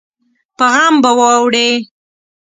په غم به واوړې